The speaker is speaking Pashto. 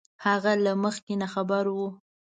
هغه له مخکې نه خبر وو